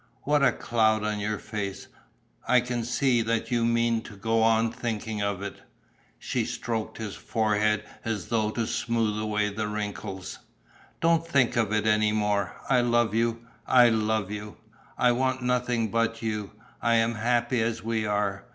What a cloud on your face! I can see that you mean to go on thinking of it." She stroked his forehead as though to smooth away the wrinkles: "Don't think of it any more. I love you, I love you! I want nothing but you. I am happy as we are.